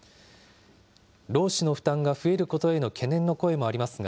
労使の負担が増えることへの懸念の声もありますが、